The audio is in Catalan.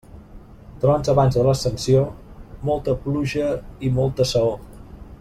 Trons abans de l'Ascensió, molta pluja i molta saó.